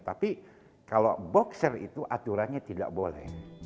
tapi kalau boxer itu aturannya tidak boleh